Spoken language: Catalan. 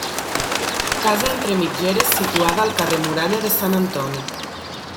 Casa entre mitgeres situada al carrer Muralla de Sant Antoni.